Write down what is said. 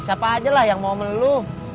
siapa aja lah yang mau melu